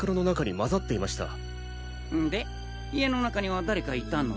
家の中には誰かいたの？